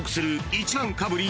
１番かぶり』